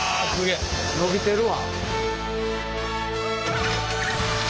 伸びてるわ！